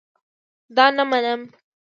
دا نه منم